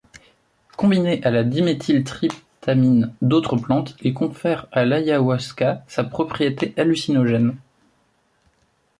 Combiné à la diméthyltryptamine d'autres plantes, il confère à l'ayahuasca sa propriété hallucinogène.